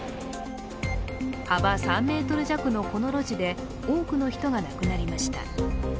幅３ｍ弱のこの路地で多くの人が亡くなりました。